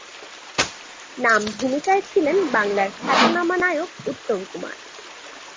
নামভূমিকায় ছিলেন বাংলার খ্যাতনামা নায়ক উত্তম কুমার।